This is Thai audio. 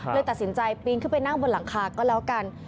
เลยตัดสินใจปีนขึ้นไปนั่งบนหลังคาก็แล้วกัน